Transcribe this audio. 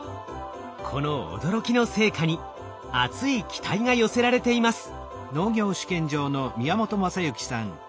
この驚きの成果に熱い期待が寄せられています。